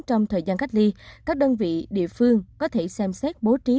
trong thời gian cách ly các đơn vị địa phương có thể xem xét bố trí